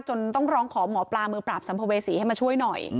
ต้องร้องขอหมอปลามือปราบสัมภเวษีให้มาช่วยหน่อย